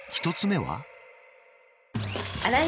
１つ目は？